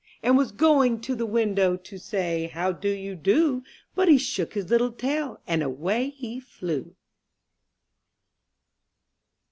'* And was going to the window To say, "How do you do?'* But he shook his little tail, And away he flew.